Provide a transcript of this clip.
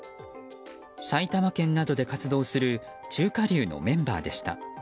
埼玉県などで活動する中華龍のメンバーでした。